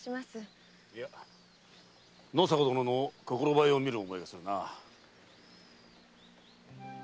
いや野坂殿の心映えを見る思いがするな。